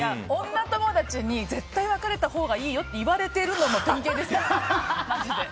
女友達に絶対別れたほうがいいよって言われてる関係ですから、マジで。